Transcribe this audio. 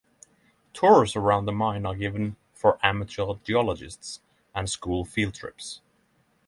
Tours around the mine are given for amateur geologists and school field trips.